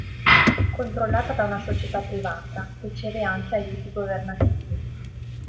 Controllata da una società privata, riceve anche aiuti governativi.